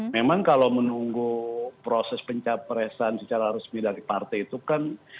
memang kalau menunggu proses pencapresan secara resmi dari partai itu kan